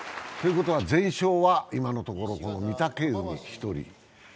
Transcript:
ということは、全勝は今のところ御嶽海１人。